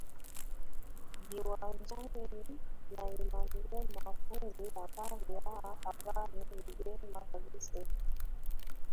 viwanjani na emanuel makundi habari aa habari ni njema kabisa vipi